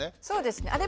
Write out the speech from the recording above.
そうですね。